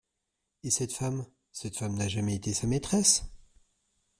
Et cette femme ? Cette femme n'a jamais été sa maîtresse.